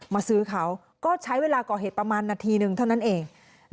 มาซื้อเขาก็ใช้เวลาก่อเหตุประมาณนาทีหนึ่งเท่านั้นเอง